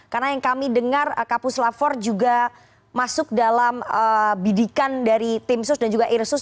karena yang kami dengar kapuslapor juga masuk dalam bidikan dari timsus dan juga irsus